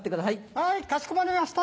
はいかしこまりました。